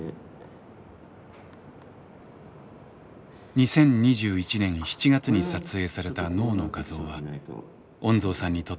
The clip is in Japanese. ２０２１年７月に撮影された脳の画像は恩蔵さんにとって衝撃でした。